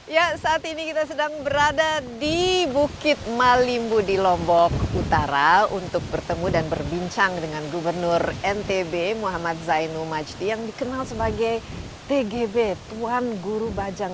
ya saat ini kita sedang berada di bukit malimbu di lombok utara untuk bertemu dan berbincang dengan gubernur ntb muhammad zainul majdi yang dikenal sebagai tgb tuan guru bajang